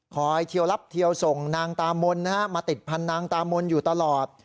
เทียวรับเทียวส่งนางตามนมาติดพันนางตามนอยู่ตลอด